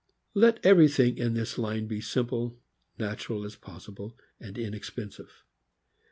Let everything in this line be simple, natural as possible, and inexpensive.